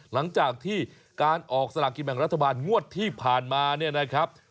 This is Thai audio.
หลังจากที่การออกสลากกินแบ่งรัฐบาลงวดที่ผ่านมาเนี่ยนะครับ